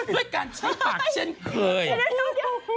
ด้วยการใช้ปากเช่นเคย